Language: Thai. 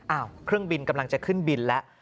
เครื่องบินกำลังจะขึ้นบินแล้ว